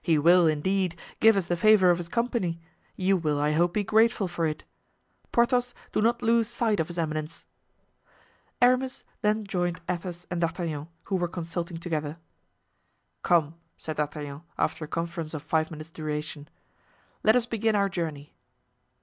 He will, indeed give us the favor of his company; you will, I hope, be grateful for it; Porthos, do not lose sight of his eminence." Aramis then joined Athos and D'Artagnan, who were consulting together. "Come," said D'Artagnan, after a conference of five minutes' duration, "let us begin our journey."